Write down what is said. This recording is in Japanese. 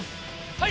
はい！